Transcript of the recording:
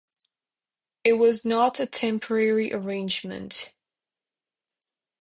It was not a temporary arrangement.